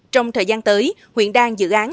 trong thời gian tới huyện đang dự án